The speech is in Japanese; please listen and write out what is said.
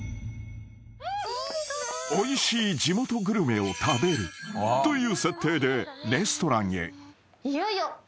［おいしい地元グルメを食べるという設定でレストランへ］